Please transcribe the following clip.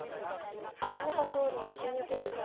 安倍元総理の襲撃事件